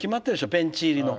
ベンチ入りの。